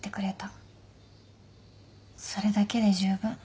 それだけで十分。